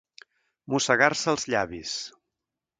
Mossegar-se els llavis.